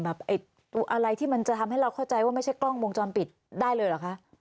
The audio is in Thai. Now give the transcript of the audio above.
อะไรที่มันจะทำให้เราเข้าใจว่าไม่ใช่กล้องวงจรปิดได้เลยเหรอคะ